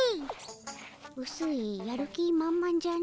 うすいやる気満々じゃの。